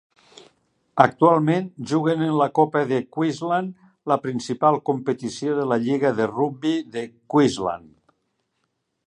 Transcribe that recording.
Actualment juguen en la Copa de Queensland, la principal competició de la lliga de rugbi de Queensland.